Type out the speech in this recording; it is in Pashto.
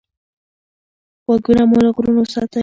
غوږونه مو له غږونو وساتئ.